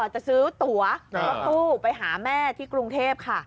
จะซื้อตัวรถตู้ไปหาแม่ที่กรุงเทพค่ะ